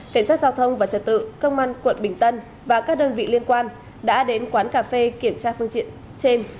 cảnh sát giao thông và trật tự công an quận bình tân và các đơn vị liên quan đã đến quán cà phê kiểm tra phương tiện trên